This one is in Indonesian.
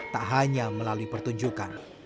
tak hanya melalui pertunjukan